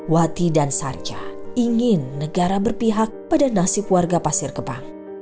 wati dan sarja ingin negara berpihak pada nasib warga pasir kebang